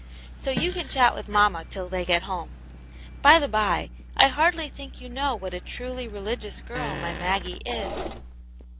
So: you can chat with mamma till they get home. By the by, I hardly think you know what a truly reli^ gious girl my Maggie is."